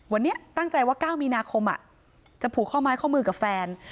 วันนี้ตั้งใจว่า๙มีนาคมจะผูกข้อไม้ข้อมือกับแฟน